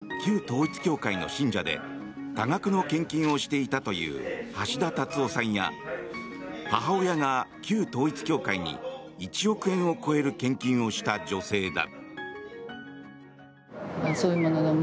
この集中審議を傍聴席から見守ったのは元妻が旧統一教会の信者で多額の献金をしていたという橋田達夫さんや母親が旧統一教会に１億円を超える献金をした女性だ。